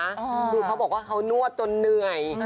คือเขาบอกว่าเขานวดจนเหนื่อย